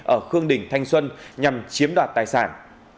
ở khương đình thanh xuân nhằm chiếm đoạt tài sản